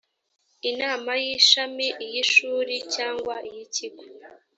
inama y ishami iy ishuri cyangwa iy ikigo